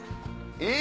え！